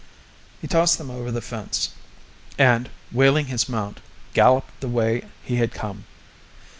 He tossed them over the fence, and, wheeling his mount, galloped the way he had come.